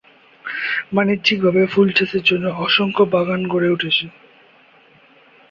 বাণিজ্যিকভাবে ফুল চাষের জন্য অসংখ্য বাগান গড়ে উঠেছে।